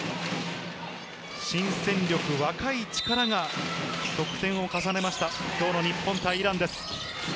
新戦力、若い力が得点を重ねました、今日の日本対イランです。